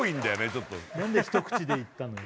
ちょっと何で一口でいったの？